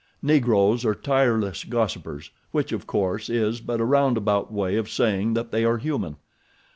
Negroes are tireless gossipers, which, of course, is but a roundabout way of saying that they are human.